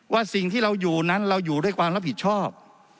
ว่าสิ่งที่เราอยู่นั้นเราอยู่ด้วยความรับผิดชอบ